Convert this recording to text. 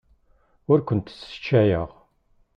Ur kent-sseccayeɣ.